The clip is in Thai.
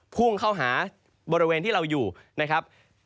พุ่งเข้าหาบริเวณที่เราอยู่นะครับ